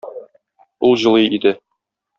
Ул җылый иде.